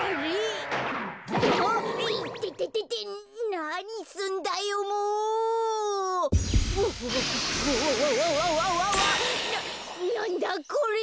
ななんだ？これ。